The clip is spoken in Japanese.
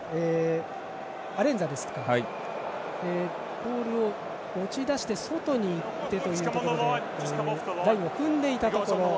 ボールを持ち出して外に行ってというところでラインを踏んでいたところ。